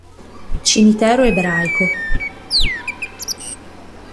Cimitero ebraico